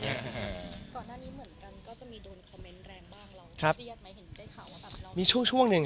ก็มีไปคุยกับคนที่เป็นคนแต่งเพลงแนวนี้